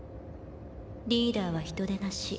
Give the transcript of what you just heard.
リーダーは人でなし。